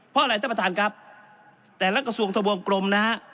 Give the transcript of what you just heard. เพราะอะไรท่านประธานครับแต่ละกระทรวงทะวงกลมนะฮะ